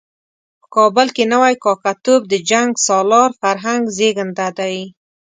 په کابل کې نوی کاکه توب د جنګ سالار فرهنګ زېږنده دی.